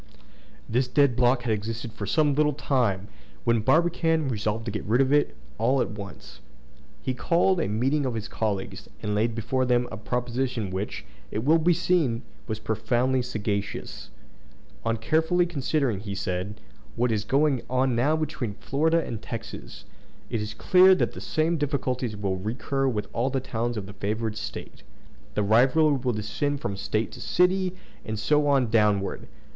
This dead block had existed for some little time, when Barbicane resolved to get rid of it all at once. He called a meeting of his colleagues, and laid before them a proposition which, it will be seen, was profoundly sagacious. "On carefully considering," he said, "what is going on now between Florida and Texas, it is clear that the same difficulties will recur with all the towns of the favored State. The rivalry will descend from State to city, and so on downward.